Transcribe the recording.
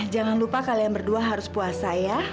jangan lupa kalian berdua harus puasa ya